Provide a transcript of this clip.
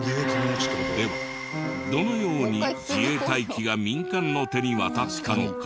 ではどのように自衛隊機が民間の手に渡ったのか？